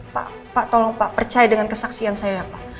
pak pak tolong pak percaya dengan kesaksian saya pak